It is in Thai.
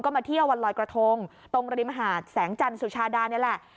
มาเที่ยววันลอยกระทงตรงริมหาดแสงจันทร์สุชาดานี่แหละ